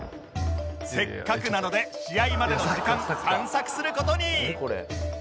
せっかくなので試合までの時間探索する事に